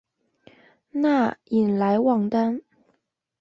讷伊莱旺丹。